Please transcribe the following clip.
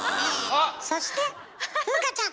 そして風花ちゃん。